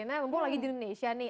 nah mumpung lagi di indonesia nih